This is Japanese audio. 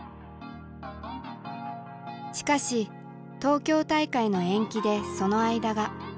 しかし東京大会の延期でその間が僅か半年に。